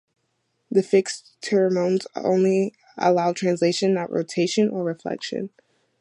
The fixed tetrominoes allow only translation, not rotation or reflection.